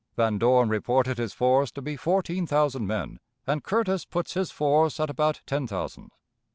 Van Dorn reported his force to be fourteen thousand men, and Curtis puts his force at about ten thousand.